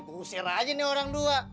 gue usir aja nih orang dua